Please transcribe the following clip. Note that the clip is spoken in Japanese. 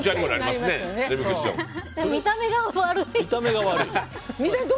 見た目が悪い。